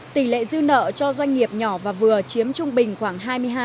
tỷ lệ dư nợ cho doanh nghiệp nhỏ và vừa chiếm trung bình khoảng hai mươi hai hai mươi năm